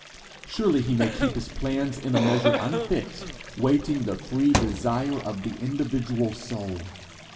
Surely he may keep his plans in a measure unfixed, waiting the free desire of the individual soul!